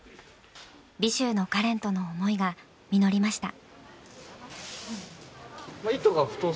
尾州のカレントの思いが実りました。